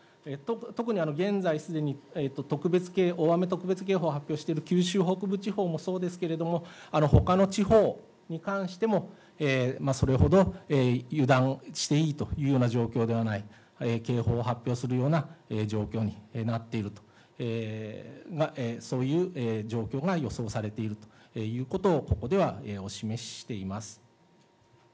特に現在、すでに特別警報、大雨特別警報を発表している九州北部地方もそうですけれども、ほかの地方に関しても、それほど油断していいというような状況ではない、警報を発表するような状況になっていると、そういう状況が予想されているということをここではお示ししています。